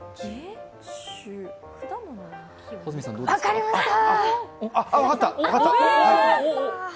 分かりました！